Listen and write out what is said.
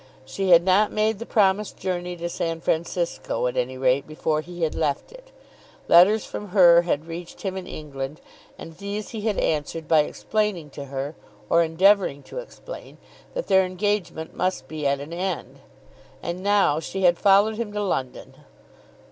She had not made the promised journey to San Francisco, at any rate before he had left it. Letters from her had reached him in England, and these he had answered by explaining to her, or endeavouring to explain, that their engagement must be at an end. And now she had followed him to London!